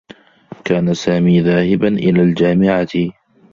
كان سامي ذاهبا إلى الجامعة.